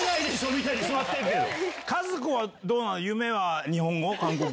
みたいに座ってるけど。